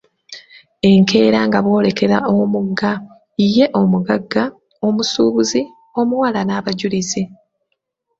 "Enkeera nga boolekera omugga; ye omugagga, omusuubuzi, omuwala n’abajulizi."